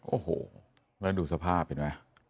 โอ้โหแล้วดูสภาพเห็นไหม